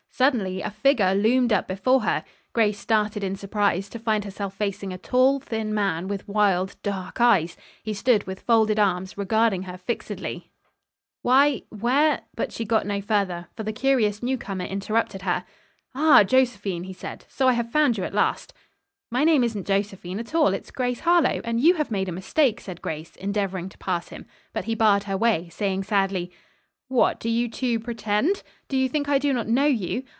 Suddenly a figure loomed up before her. Grace started in surprise, to find herself facing a tall, thin man with wild, dark eyes. He stood with folded arms, regarding her fixedly. [Illustration: Grace Found Herself Facing a Tall, Thin Man.] "Why, where " but she got no further, for the curious new comer interrupted her. "Ah, Josephine," he said, "so I have found you at last." "My name isn't Josephine at all. It's Grace Harlowe, and you have made a mistake," said Grace, endeavoring to pass him. But he barred her way, saying sadly: "What, do you, too, pretend? Do you think I do not know you?